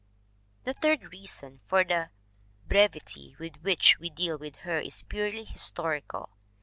The third reason for the brevity with which we deal with her is purely historical.